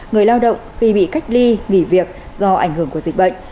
người lao động khi bị cách ly nghỉ việc do ảnh hưởng của dịch bệnh